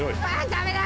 ダメだ！